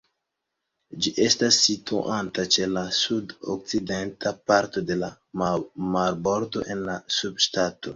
Ĝi estas situanta ĉe la sudokcidenta parto de la marbordo en la subŝtato.